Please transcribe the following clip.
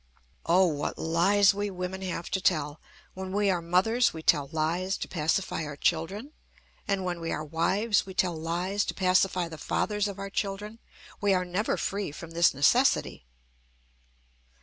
Oh! what lies we women have to tell! When we are mothers, we tell lies to pacify our children; and when we are wives, we tell lies to pacify the fathers of our children. We are never free from this necessity.